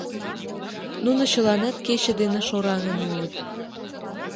Нуно чыланат кече дене шораҥын улыт.